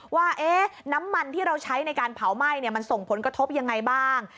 ว่าน้ำมันที่เราใช้ในการเผาไหม้มันส่งผลกระทบยังไงบ้าง